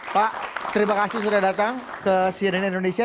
pak terima kasih sudah datang ke cnn indonesia